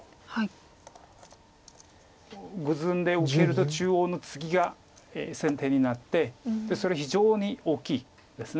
グズんで受けると中央のツギが先手になってそれ非常に大きいです。